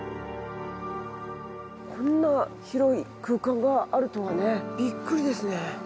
こんな広い空間があるとはねビックリですね。